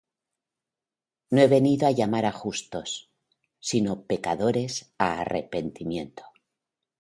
No he venido á llamar justos, sino pecadores á arrepentimiento.